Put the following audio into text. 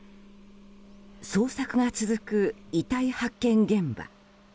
捜索が続く遺体発見現場。